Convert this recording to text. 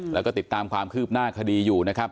แล้วก็ติดตามความคืบหน้าคดีอยู่นะครับ